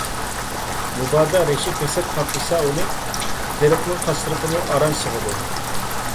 مۇبادا رەشك - ھەسەت قاپلىسا ئۇنى، تېرىقنىڭ قاسرىقىمۇ ئاران سىغىدۇ.